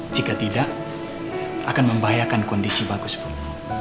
jika tidak akan membahayakan kondisi bagus pun